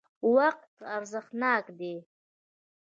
وقت ارزښتناک دی.